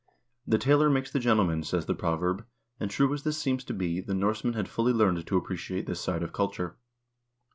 The tailor makes the gentleman, says the proverb, and true as this seems to be, the Norsemen had fully learned to appreciate this side of culture.